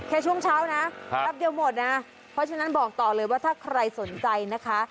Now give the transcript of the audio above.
ช่วงเช้านะแป๊บเดียวหมดนะเพราะฉะนั้นบอกต่อเลยว่าถ้าใครสนใจนะคะ